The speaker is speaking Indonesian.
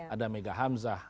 ada mega hamzah